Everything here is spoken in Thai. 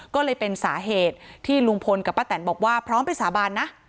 ก็เลยเป็นสาเหตุที่ลุงพลกับป้าแตนบอกว่าพร้อมไปสาบานนะ